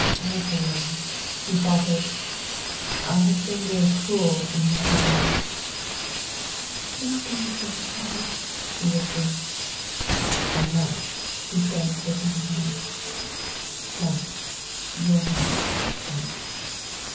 "Little one," he faltered, "I have been very cruel in my ignorance." "Do not think of this, Father," she whispered. "I must," he said, taking her hand in his. "Kemp, your hand, please."